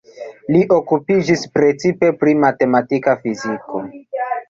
Li okupiĝis precipe pri matematika fiziko.